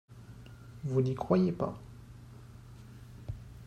Vous n’y croyez pas